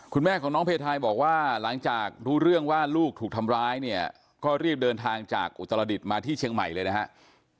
คุณแม่ของน้องเพทายบอกว่าหลังจากรู้เรื่องว่าลูกถูกทำร้ายเนี่ยก็รีบเดินทางจากอุตรดิษฐ์มาที่เชียงใหม่เลยนะครับ